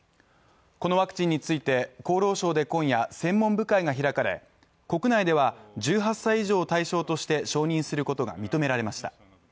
このワクチンについて厚労省で今夜、専門部会が開かれ国内では１８歳以上を対象として承認することが認められました。